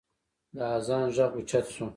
د اذان غږ اوچت شو.